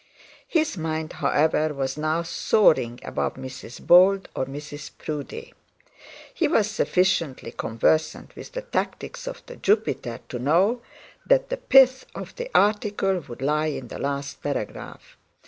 His mind, however, was now soaring above Mrs Bold or Mrs Proudie. He was sufficiently conversant with the tactics of the Jupiter to know that the pith of the article would lie in the last paragraph.